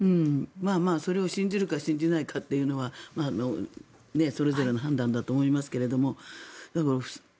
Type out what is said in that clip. それを信じるか信じないかというのはそれぞれの判断だと思いますが。